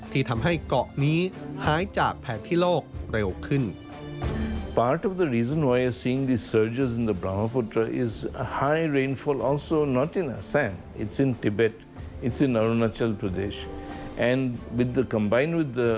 ที่ทำให้เกาะนี้หายจากแผนที่โลกเร็วขึ้น